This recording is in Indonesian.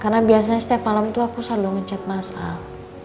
karena biasanya setiap malam tuh aku selalu ngechat mas al